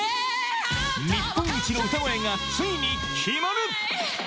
日本一の歌声がついに決まる！